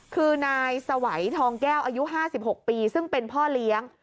คือนายสวัยทองแก้วอายุ๕๖ปีซึ่งเป็นพ่อเลี้ยง